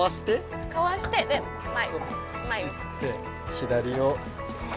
左を。